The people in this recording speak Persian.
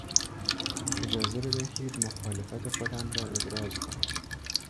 اجازه بدهید مخالفت خود را ابراز کنم!